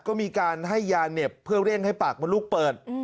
ก็มีการให้ยาเหน็บเพื่อเร่งให้ปากมดลูกเปิด